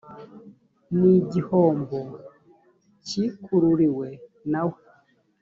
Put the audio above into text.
ni igihombo cyikururiwe na we